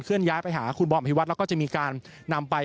ย้ายไปหาคุณบอมอภิวัตแล้วก็จะมีการนำไป